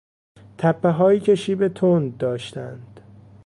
تپههایی که شیب تند داشتند